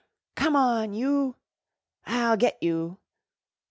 "Come on, you!" "I'll get you!"